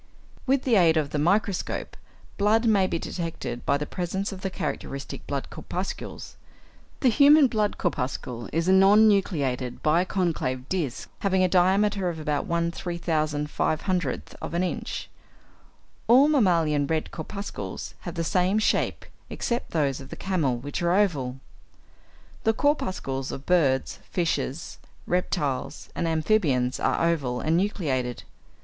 = With the aid of the microscope, blood may be detected by the presence of the characteristic blood corpuscles. The human blood corpuscle is a non nucleated, biconcave disc, having a diameter of about 1/3500 of an inch. All mammalian red corpuscles have the same shape, except those of the camel, which are oval. The corpuscles of birds, fishes, reptiles, and amphibians, are oval and nucleated.